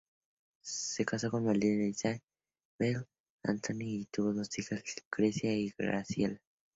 Se casó con Matilde Isabel Antoni y tuvo dos hijas, Lucrecia y Graciela.